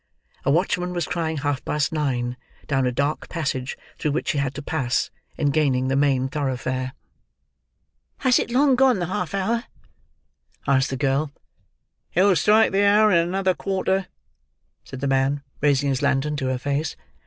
A watchman was crying half past nine, down a dark passage through which she had to pass, in gaining the main thoroughfare. "Has it long gone the half hour?" asked the girl. "It'll strike the hour in another quarter," said the man: raising his lantern to her face.